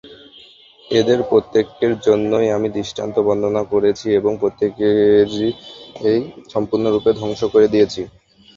এদের প্রত্যেকের জন্যেই আমি দৃষ্টান্ত বর্ণনা করেছি এবং প্রত্যেককেই সম্পূর্ণরূপে ধ্বংস করে দিয়েছি।